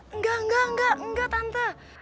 enggak enggak enggak enggak enggak tante